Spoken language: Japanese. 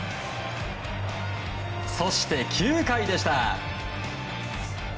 そして、９回でした。